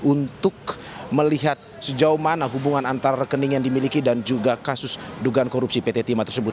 untuk melihat sejauh mana hubungan antar rekening yang dimiliki dan juga kasus dugaan korupsi pt timah tersebut